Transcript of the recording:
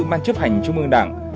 mang chấp hành trung ương đảng